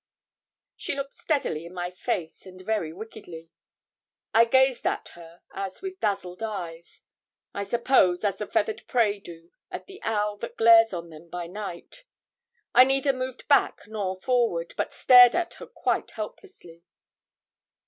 She looked steadily in my face and very wickedly. I gazed at her as with dazzled eyes I suppose as the feathered prey do at the owl that glares on them by night. I neither moved back nor forward, but stared at her quite helplessly.